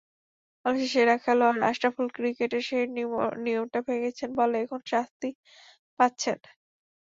বাংলাদেশের সেরা খেলোয়াড় আশরাফুল ক্রিকেটের সেই নিয়মটা ভেঙেছেন বলে এখন শাস্তি পাচ্ছেন।